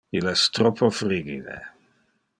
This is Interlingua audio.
Il es troppo frigide.